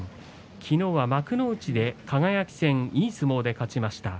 昨日は幕内で輝戦いい相撲で勝ちました。